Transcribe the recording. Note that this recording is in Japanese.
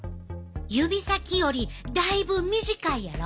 指先よりだいぶ短いやろ？